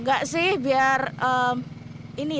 tidak sih biar ini ya